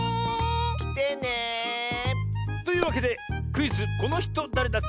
きてね！というわけでクイズ「このひとだれだっけ？」